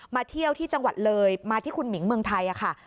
เที่ยวที่จังหวัดเลยมาที่คุณหมิงเมืองไทยค่ะ